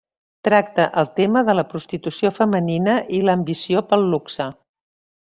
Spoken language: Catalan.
Tracta el tema de la prostitució femenina i l'ambició pel luxe.